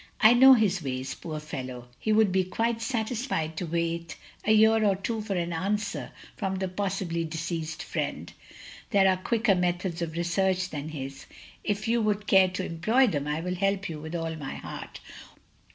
" I know his ways, poor fellow; he would be quite satisfied to wait a year or two for an answer from the possibly deceased friend! There are quicker methods of research than his. If you would care to employ them I will help you with all my heart."